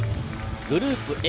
グループＡ